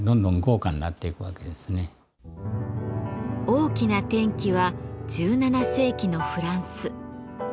大きな転機は１７世紀のフランス。